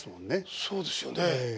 そうですよね。